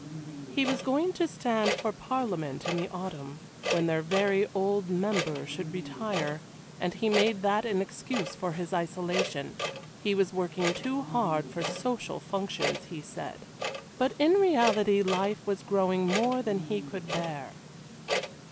He was going to stand for Parliament in the autumn, when their very old member should retire, and he made that an excuse for his isolation; he was working too hard for social functions, he said. But in reality life was growing more than he could bear.